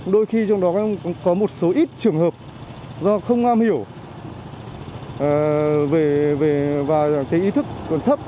đôi khi trong đó có một số ít trường hợp do không am hiểu và ý thức còn thấp